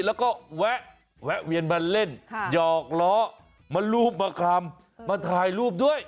แล้วก็แวะเวียนมาเล่นหยอกล้อมารูปมาคำมาถ่ายรูปด้วย